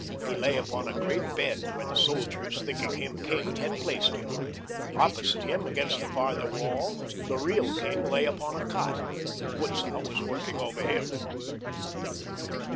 He lay upon a great bed where the soldiers, thinking him king, had placed him. Opposite him, against the farther wall, the real king lay upon a cot. Butzow was working over him.